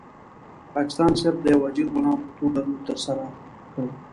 پاکستان صرف د یو اجیر غلام په توګه رول ترسره کړ.